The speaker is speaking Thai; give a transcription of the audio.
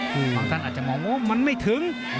ฝั่งธนอาจจะมองโอ้ยมันไม่ถึง